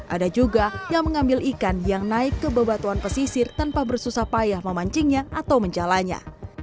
ada juga yang mengambil ikan yang naik ke bebatuan pesisir tanpa bersusah payah memancingnya atau menjalannya